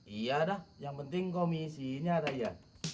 iya dah yang penting komisinya raya